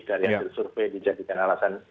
yang disurvey dijadikan alasan